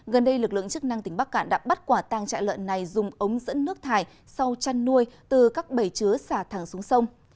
gần đây lực lượng chức năng tỉnh bắc cạn đã bắt quả tàng trại lợn này dùng ống dẫn nước thải sau chăn nuôi từ các bể chứa xả thẳng xuống sông